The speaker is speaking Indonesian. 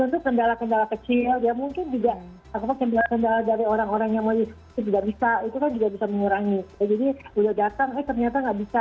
jadi sudah datang ternyata tidak bisa